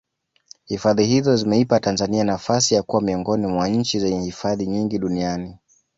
hifadhi hizo zimeipa tanzania nafasi ya kuwa miongoni mwa nchi zenye hifadhi nyingi duniani